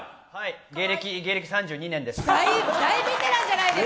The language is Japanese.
芸歴３２年です。